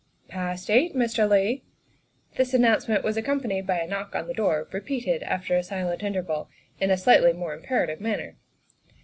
" Past eight, Mr. Leigh." This announcement was accompanied by a knock on the door, repeated after a silent interval in a slightly more imperative manner.